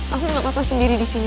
aku gak papa sendiri disini